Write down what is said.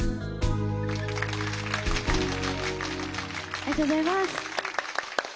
ありがとうございます！